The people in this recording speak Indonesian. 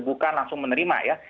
bukan langsung menerima ya